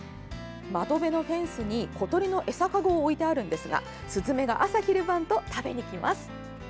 窓辺のフェンスに小鳥の餌かごを置いてあるのですがスズメが朝昼晩と食べに来ます。